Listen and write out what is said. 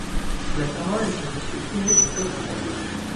La parole est à Monsieur Éric Coquerel.